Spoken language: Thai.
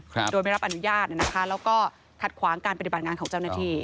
ครับโดยไม่รับอนุญาตนะคะแล้วก็ขัดขวางการปฏิบัติงานของเจ้าหน้าที่